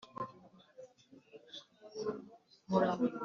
Ingingo ya mbere Kuba mu bagize agaco